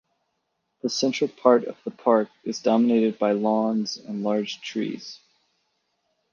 The central part of the park is dominated by lawns and large trees.